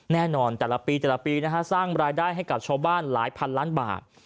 แน่นอนแต่ละปีสร้างรายได้ให้กับชาวบ้านหลายพันล้านบาท